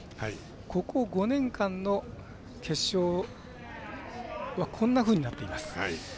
ここ５年間の決勝はこんなふうになっています。